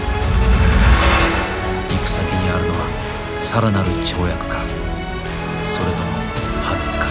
行く先にあるのは更なる跳躍かそれとも破滅か。